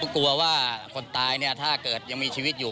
กลัวว่าคนตายเนี่ยถ้าเกิดยังมีชีวิตอยู่